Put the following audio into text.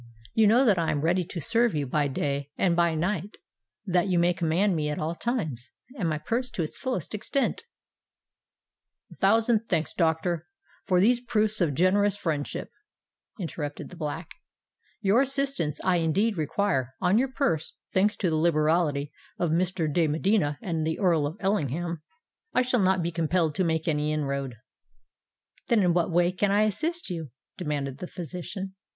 You know that I am ready to serve you by day and by night—that you may command me at all times, and my purse to its fullest extent——" "A thousand thanks, doctor, for these proofs of generous friendship," interrupted the Black. "Your assistance I indeed require: on your purse, thanks to the liberality of Mr. de Medina and the Earl of Ellingham, I shall not be compelled to make any inroad." "Then in what way can I assist you?" demanded the physician.